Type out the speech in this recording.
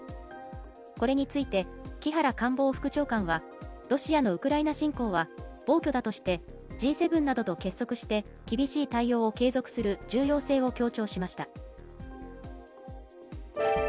これについて、木原官房副長官は、ロシアのウクライナ侵攻は暴挙だとして、Ｇ７などと結束して、厳しい対応を継続する重要性を強調しました。